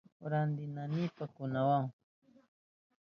Rantinaynipa kunawahun.